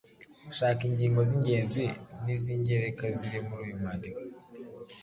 Shaka ingingo z’ingenzi n’iz’ingereka ziri muri uyu mwandiko